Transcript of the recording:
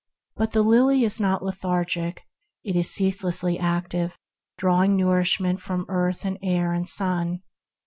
But the lily is not lethargic; it is ceaselessly active, drawing nourishment from earth and air and sun.